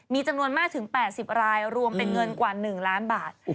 มีจำนวนมากถึง๘๐รายรวมเป็นเงินกว่า๑ล้านบาท